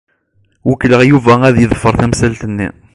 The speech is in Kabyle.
Wekkleɣ Yuba ad yeḍfer tamsalt-nni.